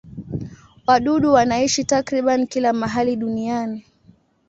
Wadudu wanaishi takriban kila mahali duniani.